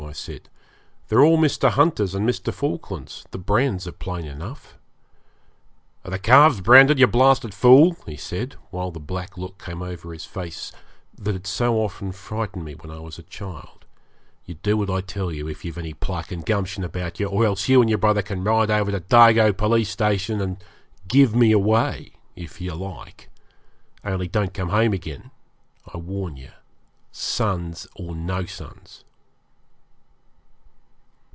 I said. 'They're all Mr. Hunter's and Mr. Falkland's; the brands are plain enough.' 'Are the calves branded, you blasted fool?' he said, while the black look came over his face that had so often frightened me when I was a child. 'You do what I tell you if you've any pluck and gumption about you; or else you and your brother can ride over to Dargo Police Station and "give me away" if you like; only don't come home again, I warn you, sons or no sons.'